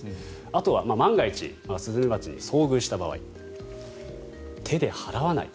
あとは万が一スズメバチに遭遇した場合手で払わない。